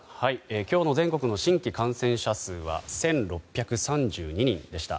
今日の全国の新規感染者数は１６３２人でした。